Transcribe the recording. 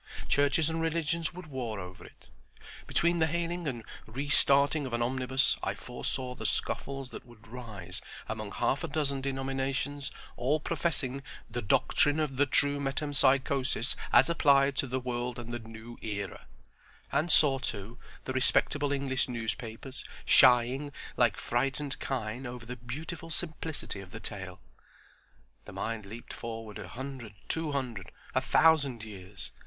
Churches and religions would war over it. Between the hailing and re starting of an omnibus I foresaw the scuffles that would arise among half a dozen denominations all professing "the doctrine of the True Metempsychosis as applied to the world and the New Era"; and saw, too, the respectable English newspapers shying, like frightened kine, over the beautiful simplicity of the tale. The mind leaped forward a hundred—two hundred—a thousand years.